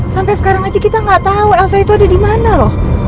sampai sekarang aja kita gak tau elsa itu ada dimana loh